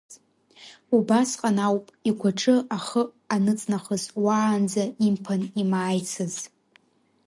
Убасҟан ауп, игәаҿы ахы аныҵнахыз уаанӡа имԥан имааицыз.